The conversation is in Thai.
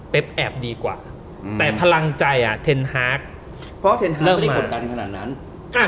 แอบดีกว่าแต่พลังใจอ่ะเทนฮาร์กเพราะเทนฮาร์เริ่มได้กดดันขนาดนั้น